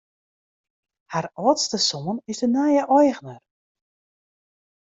Har âldste soan is de nije eigner.